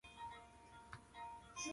Senator Hiram Fong.